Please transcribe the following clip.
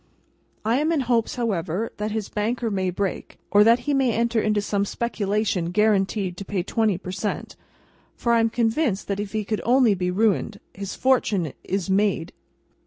I am in hopes, however, that his Banker may break, or that he may enter into some speculation guaranteed to pay twenty per cent.; for, I am convinced that if he could only be ruined, his fortune is made.